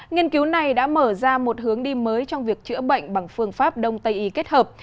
nghiên cứu này đã mở ra một hướng đi mới trong việc chữa bệnh bằng phương pháp đông tây y kết hợp